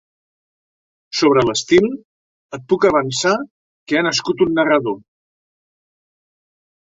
Sobre l'estil, et puc avançar que "ha nascut un narrador".